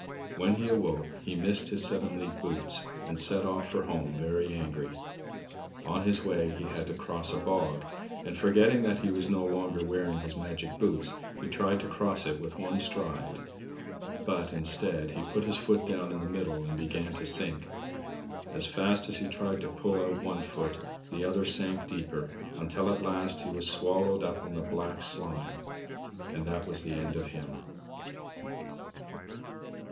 When he awoke he missed his seven league boots, and set off for home very angry. On his way he had to cross a bog; and, forgetting that he was no longer wearing his magic boots, he tried to cross it with one stride. But, instead, he put his foot down in the middle and began to sink. As fast as he tried to pull out one foot, the other sank deeper, until at last he was swallowed up in the black slime and that was the end of him.